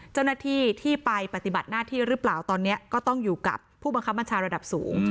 เจ้าหน้าที่ที่ไปปฏิบัติหน้าที่หรือเปล่าตอนนี้ก็ต้องอยู่กับผู้บังคับบัญชาระดับสูง